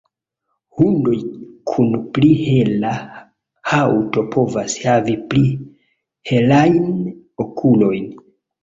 Hundoj kun pli hela haŭto povas havi pli helajn okulojn.